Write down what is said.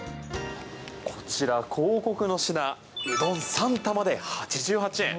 こちら広告の品うどん３玉で８８円。